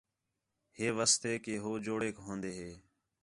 ہے واسطے کہ ہو جوڑیک ہون٘دے ہے